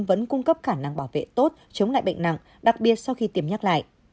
vẫn cung cấp khả năng bảo vệ tốt chống lại bệnh nặng đặc biệt sau khi tiêm nhắc lại